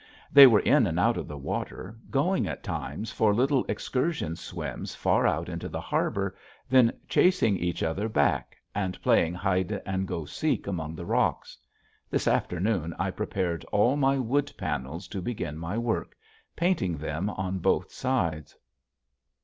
They were in and out of the water, going at times for little excursion swims far out into the harbor, then chasing each other back and playing hide and go seek among the rocks. This afternoon I prepared all my wood panels to begin my work, painting them on both sides.